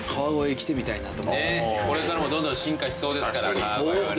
これからもどんどん進化しそうですから川越はね。